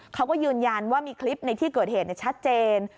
เขาก็ยืนยันว่ามีคลิปในที่เกิดเหตุชัดเจน